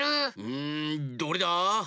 うんどれだ？